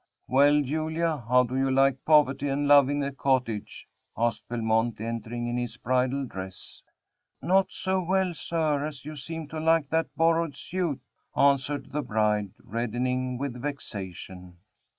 "Well, Julia, how do you like poverty and love in a cottage?" asked Belmont, entering in his bridal dress. "Not so well, sir, as you seem to like that borrowed suit," answered the bride, reddening with vexation.